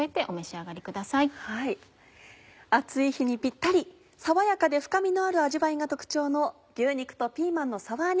暑い日にぴったり爽やかで深みのある味わいが特徴の「牛肉とピーマンのサワー煮」